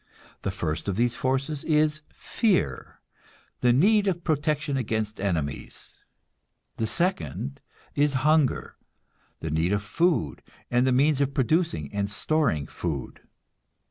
The first of these forces is fear, the need of protection against enemies; the second is hunger, the need of food and the means of producing and storing food.